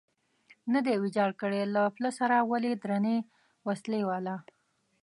نه دی ویجاړ کړی، له پله سره ولې درنې وسلې والا.